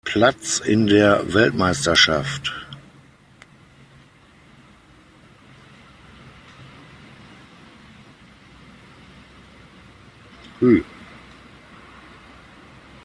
Platz in der Weltmeisterschaft.